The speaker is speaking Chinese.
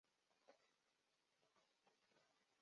大观二年进士。